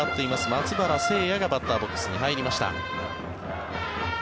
松原聖弥がバッターボックスに入りました。